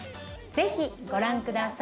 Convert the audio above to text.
ぜひご覧ください。